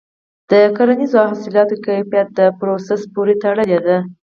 د کرنیزو حاصلاتو کیفیت د پروسس پورې تړلی دی.